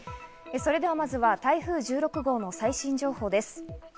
それでは、まずは台風１６号の最新情報です。